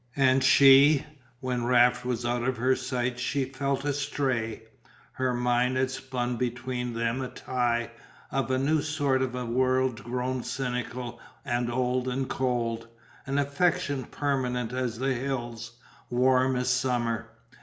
And she? When Raft was out of her sight she felt astray. Her mind had spun between them a tie, of a new sort in a world grown cynical and old and cold; an affection permanent as the hills, warm as summer.